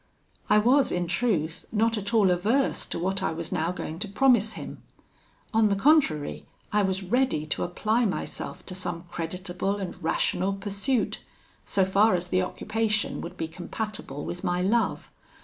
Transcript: I was in truth not at all averse to what I was now going to promise him. On the contrary, I was ready to apply myself to some creditable and rational pursuit, so far as the occupation would be compatible with my love.